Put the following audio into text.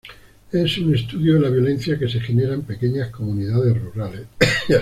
Es un estudio de la violencia que se genera en pequeñas comunidades rurales.